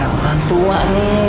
orang tua nih